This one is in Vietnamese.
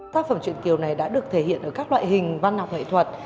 tác phẩm chuyện kiều này đã được thể hiện ở các loại hình văn học nghệ thuật